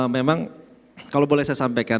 memang kalau boleh saya sampaikan